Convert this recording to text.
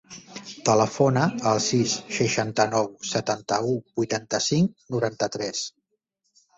Telefona al sis, seixanta-nou, setanta-u, vuitanta-cinc, noranta-tres.